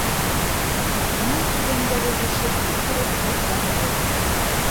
Уның күҙендәге бушлыҡты күреп тетрәнде.